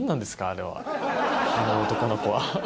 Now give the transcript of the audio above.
あの男の子は。